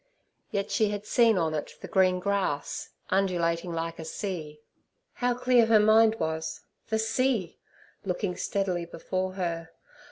Yet she had seen on it the green grass, undulating like a sea. How clear her mind was—the sea! looking steadily before her.